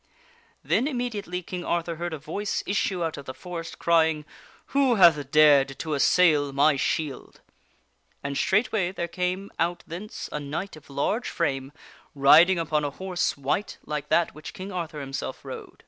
Then immediately King Arthur heard a voice issue out of the ^gg/fjg*^ forest crying, " Who hath dared to assail my shield !" And ^ White straightway there came out thence a knight of large frame, rid Knight. ing upon a horse white, like that which King Arthur himself rode.